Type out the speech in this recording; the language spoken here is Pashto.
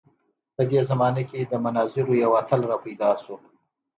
په دې زمانه کې د مناظرو یو اتل راپیدا شو.